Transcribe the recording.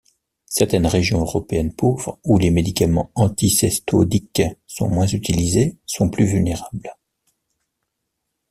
Certaines régions européennes pauvres où les médicaments anticestodiques sont moins utilisées sont plus vulnérables.